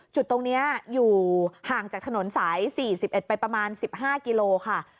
จุดตรงนี้อยู่ห่างจากถนนสาย๔๑ไปประมาณ๑๕กิโลค่ะ